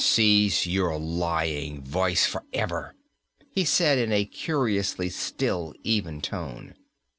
"Cease your lying voice for ever," he said, in a curiously still, even tone.